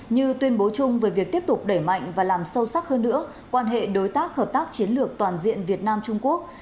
như tuyên bố chung về việc tiếp tục đẩy mạnh và làm sâu sắc hơn nữa quan hệ đối tác hợp tác chiến lược toàn diện việt nam trung quốc